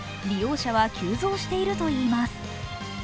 利用者は急増しているといいます。